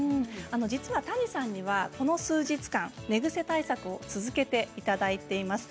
谷さんにはこの数日間寝ぐせ対策を続けていただいています。